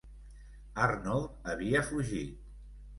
Arnold havia fugit.